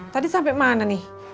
tadi sampai mana nih